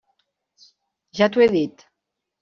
Ja t'ho he dit.